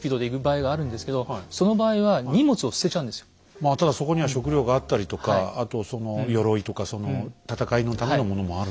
まあただそこには食料があったりとかあとその鎧とか戦いのためのものもある。